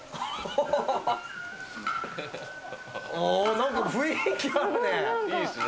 何か雰囲気あるね。